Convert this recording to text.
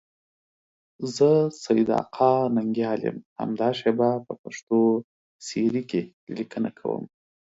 زه سیدآقا ننگیال یم، همدا شیبه په پښتو سیرې کې لیکنه کوم.